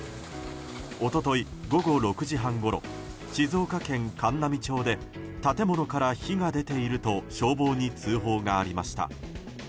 一昨日、午後６時半ごろ静岡県函南町で建物から火が出ていると消防に通報がありました。